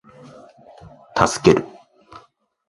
助ける